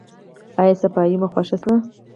ایا صفايي مو خوښه شوه؟